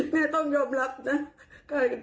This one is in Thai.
แม่ต้องยอมรับนะ